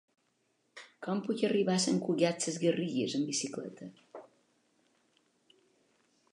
Com puc arribar a Sant Cugat Sesgarrigues amb bicicleta?